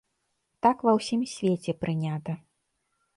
Так ва ўсім свеце прынята.